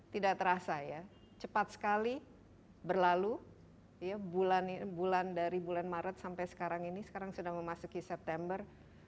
tidak terasa ya cepat sekali berlalu dari bulan maret sampai sekarang ini sekarang sudah memasuki september